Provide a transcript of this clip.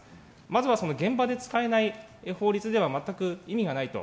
まずは現場で使えない法律では全く意味がないと。